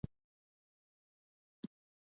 ایا زه باید د هیلۍ غوښه وخورم؟